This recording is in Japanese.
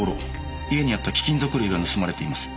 家にあった貴金属類が盗まれています。